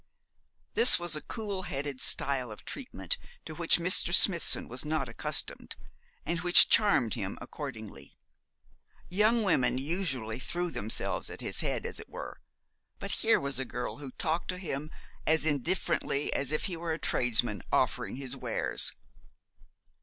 This was a cool headed style of treatment to which Mr. Smithson was not accustomed, and which charmed him accordingly. Young women usually threw themselves at his head, as it were; but here was a girl who talked to him as indifferently as if he were a tradesman offering his wares.